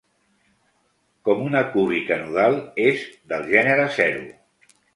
Com una cúbica nodal, és del gènere zero.